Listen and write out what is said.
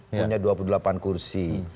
punya dua puluh delapan kursi